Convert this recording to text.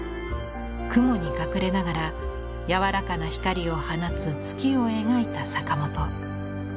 雲に隠れながら柔らかな光を放つ月を描いた坂本。